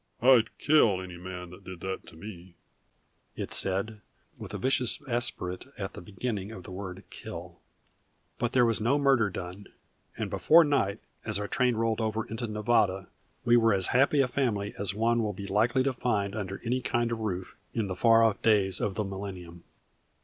"I'd kill any man who did that to me!" it said, with a vicious aspirate at the beginning of the word kill. But there was no murder done, and before night as our train rolled over into Nevada we were as happy a family as one will be likely to find under any kind of roof in the far off days of the millennium.